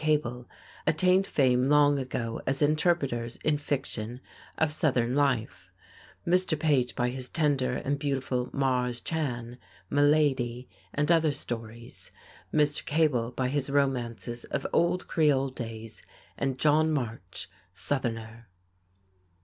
Cable attained fame long ago as interpreters, in fiction, of Southern life, Mr. Page by his tender and beautiful "Marse Chan," "Meh Lady" and other stories, Mr. Cable by his romances of "Old Creole Days" and "John March, Southerner."